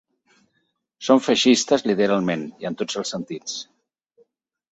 Són feixistes literalment i en tots els sentits.